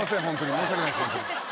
申し訳ないです。